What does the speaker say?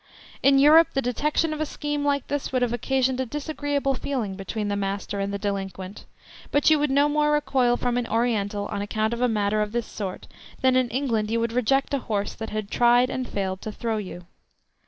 In Europe the detection of a scheme like this would have occasioned a disagreeable feeling between the master and the delinquent, but you would no more recoil from an Oriental on account of a matter of this sort, than in England you would reject a horse that had tried, and failed, to throw you.